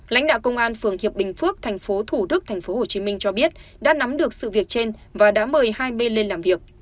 lãnh đạo công an phường hiệp bình phước tp thủ đức tp hcm cho biết đã nắm được sự việc trên và đã mời hai bên lên làm việc